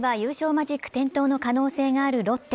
マジック点灯の可能性があるロッテ。